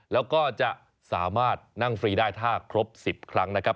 แล้วก็จะสามารถนั่งฟรีได้ถ้าครบ๑๐ครั้งนะครับ